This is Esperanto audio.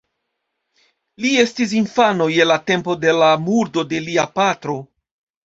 Li estis infano je la tempo de la murdo de lia patro.